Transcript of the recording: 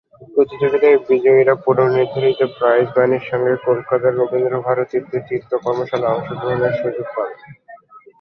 প্রতিযোগিতায় বিজয়ীরা পূর্বনির্ধারিত প্রাইজ মানির সঙ্গে কলকাতায় রবীন্দ্রভারতীতে চিত্রকর্মশালায় অংশগ্রহণের সুযোগ পাবেন।